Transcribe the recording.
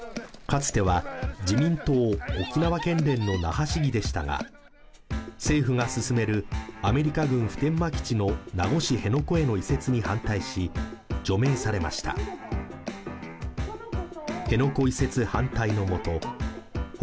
つては自民党沖縄県連の那覇市議でしたが政府が進めるアメリカ軍普天間基地の名護市辺野古への移設に反対し除名されました